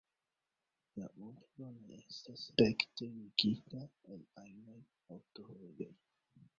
La urbo ne estas rekte ligita al ajnaj aŭtovojoj.